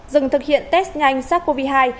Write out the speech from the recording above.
dừng thực hiện test nhanh sát covid hai